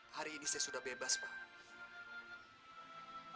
hari ini saya sudah bebas pak